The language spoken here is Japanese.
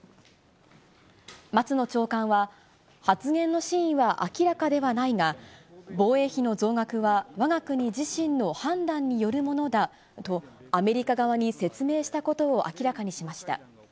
松野長官は、発言の真意は明らかではないが、防衛費の増額はわが国自身の判断によるものだと、アメリカ側に説明したことを明らかにしました。